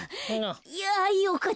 いやよかった。